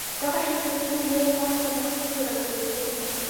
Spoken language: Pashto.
دغه شرکتونه لویه پانګه له خلکو راټولوي